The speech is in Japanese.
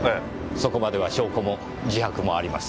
そこまでは証拠も自白もあります。